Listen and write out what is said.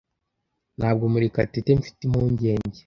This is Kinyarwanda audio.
Ntabwo Murekatete Mfite impungenge.